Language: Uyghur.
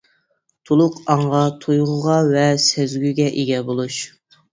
تولۇق ئاڭغا، تۇيغۇغا ۋە سەزگۈگە ئىگە بولۇش.